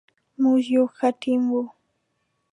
موږ یو ښه ټیم یو.